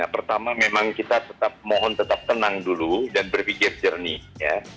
pertama memang kita tetap mohon tetap tenang dulu dan berpikir jernih ya